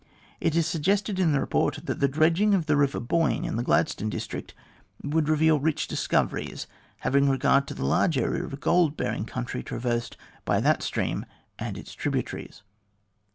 It is suggested in the report that the dredging of the river Boyne in the Gladstone district would reveal rich discoveries, having regard to the large area of gold bearing country traversed by that stream and its tributaries.